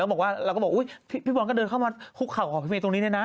แล้วเราก็บอกพี่บอลก็เดินเข้ามาฮุกข่าวของพี่เมย์ตรงนี้เลยนะ